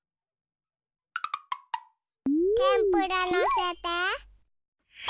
てんぷらのせて。